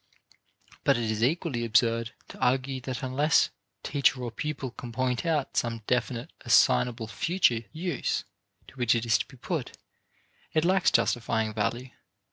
But it is equally absurd to argue that unless teacher or pupil can point out some definite assignable future use to which it is to be put, it lacks justifying value.